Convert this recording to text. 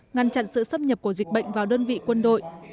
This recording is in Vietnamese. ngăn chặn sự xâm nhập của dịch bệnh vào đơn vị quân đội